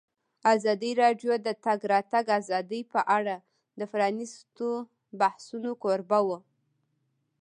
ازادي راډیو د د تګ راتګ ازادي په اړه د پرانیستو بحثونو کوربه وه.